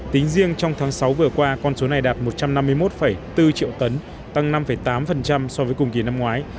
tính riêng trong tháng sáu vừa qua con số này đạt một trăm năm mươi một bốn triệu tấn tăng năm tám so với cùng kỳ năm ngoái